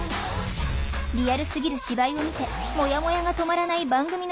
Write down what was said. リアルすぎる芝居を見てモヤモヤが止まらない番組のご意見